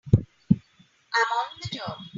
I'm on the job!